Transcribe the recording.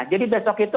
jadi besok itu